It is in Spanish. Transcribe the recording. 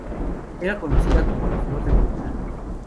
Era conocida como la "Flor da Murta".